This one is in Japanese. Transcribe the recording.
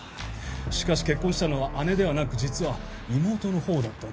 しかし結婚したのは姉ではなく実は妹の方だったんだ。